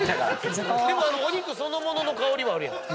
お肉そのものの香りはあるやん。